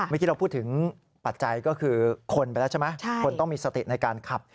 เมื่อกี้เราพูดถึงปัจจัยก็คือคนไปแล้วใช่ไหมคนต้องมีสติในการขับ